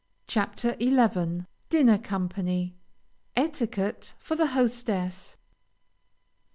CHAPTER XI. DINNER COMPANY. ETIQUETTE FOR THE HOSTESS.